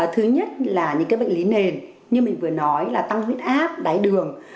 thứ nhất là những bệnh lý nền như mình vừa nói là tăng huyết áp đáy đường